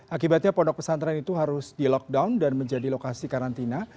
akibatnya pondok pesantren itu harus di lockdown dan menjadi lokasi karantina